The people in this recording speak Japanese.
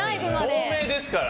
透明ですから。